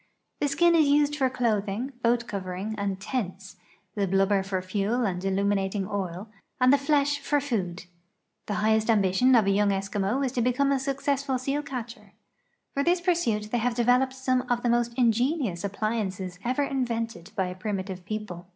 The skin is used for clothing, lioat covering, and tents, the liluhhcr for fuel and illuminating oil, and the flesh for food. The highest ambition of a young Eskimo is to become a successful seal catcher'. For this pursuit they have developed some of the most ingenious ap])liances ever invented by a primitive people.